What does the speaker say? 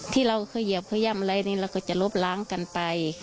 ที่เราเขยิบขย่ำอะไรนี่เราก็จะลบล้างกันไป